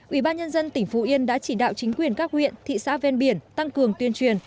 ủy ban nhân dân tỉnh phú yên đã chỉ đạo chính quyền các huyện thị xã ven biển tăng cường tuyên truyền